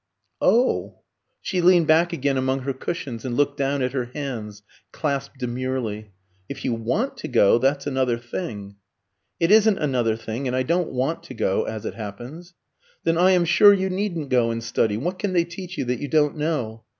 "Oh," she leaned back again among her cushions, and looked down at her hands clasped demurely, "if you want to go, that's another thing." "It isn't another thing; and I don't want to go, as it happens." "Then I am sure you needn't go and study; what can they teach you that you don't know?"